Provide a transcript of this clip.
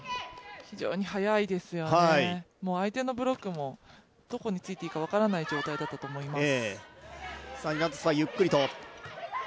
非常に速いですよね、相手のブロックもどこについたらいいか分からない状態だったと思います。